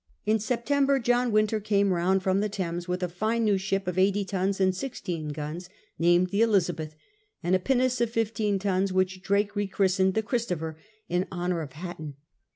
In Sep tember John Wynter came round from the Thames with a fine new ship of eighty tons and sixteen guns, named the Elizabeth^ and a pinnace of fifteen tons, which Drake re christened the Christopher, in honour of Hatton.